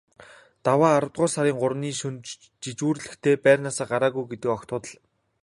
Даваа аравдугаар сарын гуравны шөнө жижүүрлэхдээ байрнаасаа гараагүй гэдэг огт худал.